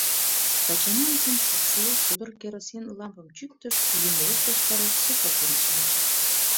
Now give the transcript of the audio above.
Тачана омсам шупшыльо, содор керосин лампым чӱктыш, юмылук ваштареш сукалтен шинче.